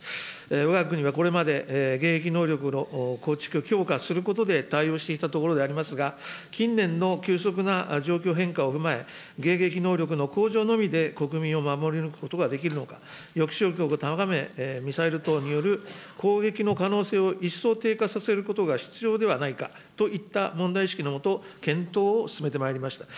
わが国はこれまで迎撃能力の構築、強化することで対応してきたところでありますが、近年の急速な状況変化を踏まえ、迎撃能力の向上のみで国民を守り抜くことができるのか、抑止力を高め、ミサイル等による、攻撃の可能性を一層低下させることが必要ではないかといった問題意識の下、検討を進めてまいりました。